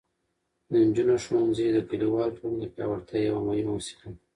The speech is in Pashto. د نجونو ښوونځي د کلیوالو ټولنو د پیاوړتیا یوه مهمه وسیله ده.